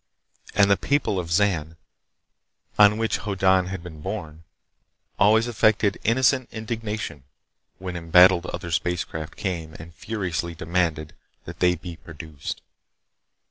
And the people of Zan, on which Hoddan had been born, always affected innocent indignation when embattled other spacecraft came and furiously demanded that they be produced.